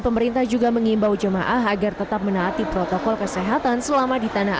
pemerintah juga mengimbau jemaah agar tetap menaati protokol kesehatan selama di tanah air